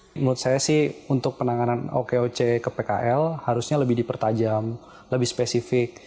menurut saya sih untuk penanganan okoc ke pkl harusnya lebih dipertajam lebih spesifik